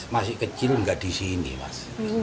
masih kecil nggak di sini mas